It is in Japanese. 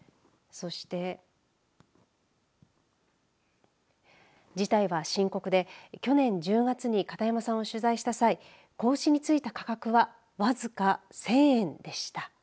そして事態は深刻で、去年１０月に片山さんを取材した際子牛についた価格は僅か１０００円でした。